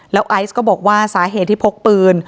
แล้วไอซ์ก็บอกว่าสาเหตุที่พกปืน